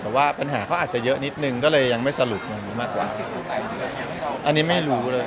แสวได้ไงของเราก็เชียนนักอยู่ค่ะเป็นผู้ร่วมงานที่ดีมาก